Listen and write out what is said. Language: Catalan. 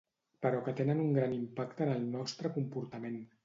però que tenen un gran impacte en el nostre comportament